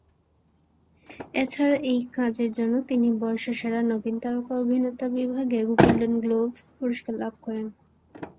এছাড়া এই কাজের জন্য তিনি বর্ষসেরা নবীন তারকা অভিনেতা বিভাগে গোল্ডেন গ্লোব পুরস্কার লাভ করেন।